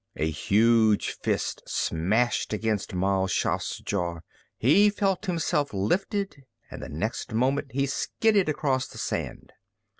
A huge fist smashed against Mal Shaff's jaw. He felt himself lifted, and the next moment he skidded across the sand.